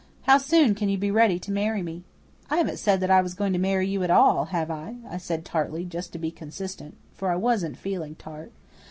How soon can you be ready to marry me?" "I haven't said that I was going to marry you at all, have I?" I said tartly, just to be consistent. For I wasn't feeling tart.